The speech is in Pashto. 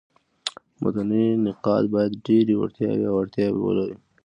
متني نقاد باید ډېري وړتیاوي او اړتیاوي ولري.